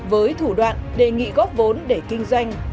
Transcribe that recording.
với thủ đoạn đề nghị góp vốn để kinh doanh